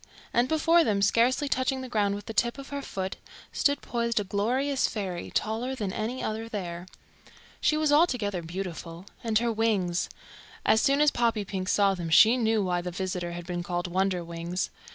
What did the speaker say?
And before them, scarcely touching the ground with the tip of her foot, stood poised a glorious fairy, taller than any other there. She was altogether beautiful; and her wings as soon as Poppypink saw them she knew why the visitor had been called Wonderwings.